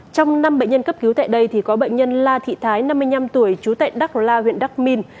trong năm bệnh nhân cấp cứu tại đây thì có bệnh nhân la thị thái năm mươi năm tuổi chú tại đắc la huyện đắc minh